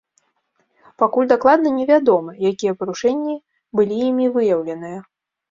Пакуль дакладна невядома, якія парушэнні былі імі выяўленыя.